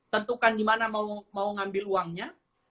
tentukan di mana mau ngambil uangnya